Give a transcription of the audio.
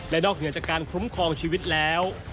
และนอกเหนือจากการคุ้มครองชีวิตแล้ว